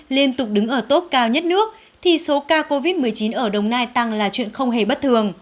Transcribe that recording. liên tục đứng ở tốt cao nhất nước thì số ca covid một mươi chín ở đồng nai tăng là chuyện không hề bất thường